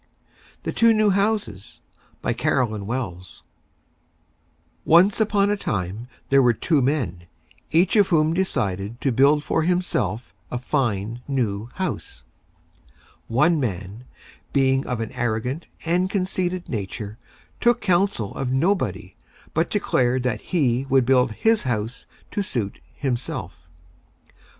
THE TWO NEW HOUSES BY CAROLYN WELLS Once on a Time, there were Two Men, each of whom decided to build for himself a Fine, New House. One Man, being of an Arrogant and Conceited Nature, took counsel of Nobody, but declared that he would build his House to suit himself.